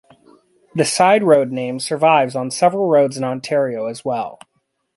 The "side road" name survives on several roads in Ontario as well.